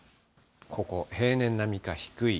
ここ、平年並みか低い。